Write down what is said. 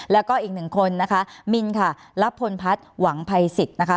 แล้วก็อีกหนึ่งคนนะคะมินค่ะรับพลพัฒน์หวังภัยสิทธิ์นะคะ